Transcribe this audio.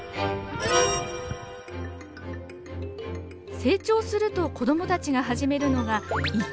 成長すると子供たちが始めるのが息継ぎ。